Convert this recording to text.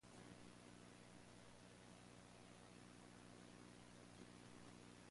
In time, he ends up saving the village from a great evil.